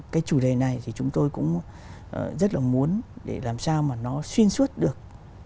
cái chủ đề này thì chúng tôi cũng rất là muốn để làm sao mà nó xuyên suốt được